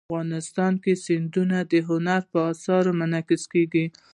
افغانستان کې سیندونه د هنر په اثار کې منعکس کېږي.